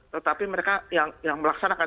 tetapi mereka yang melaksanakan